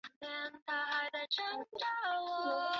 丹尼斯海峡是连结波罗的海和北海之间的诸海峡之总称。